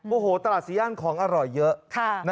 โอ้โหตลาดซีย่านของอร่อยเยอะ